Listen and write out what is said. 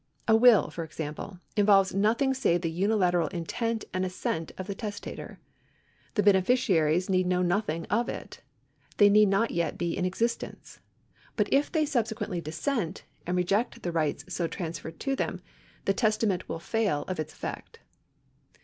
A will, for example, involves nothing save the unilateral intent and assent of the testator. The beneficiaries need know nothing of it ; they need not yet be in existence. But if they sub sequently dissent, and reject the rights so transferred to them, the testament wiU fail of its effect.